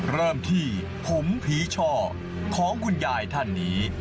เริ่มที่ผมผีช่อของคุณยายท่านนี้